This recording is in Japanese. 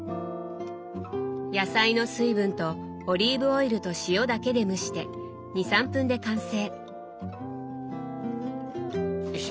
野菜の水分とオリーブオイルと塩だけで蒸して２３分で完成！